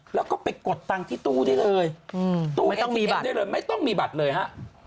แล้วก็ไปกดตังค์ที่ตู้ได้เลยไม่ต้องมีบัตรเลยฮะ